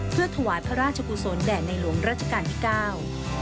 เพื่อถวายพระราชกุศลแด่ในหลวงรัชกาลที่เก้า